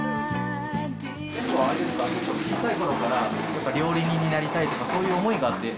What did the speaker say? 結構あれですか小さい頃からやっぱ料理人になりたいとかそういう思いがあって？